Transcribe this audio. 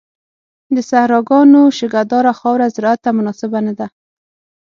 د صحراګانو شګهداره خاوره زراعت ته مناسبه نه ده.